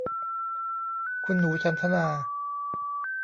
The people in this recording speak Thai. คุณหนูฉันทนา